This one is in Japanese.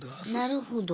なるほど。